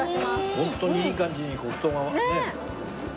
本当にいい感じに黒糖が。ねえ！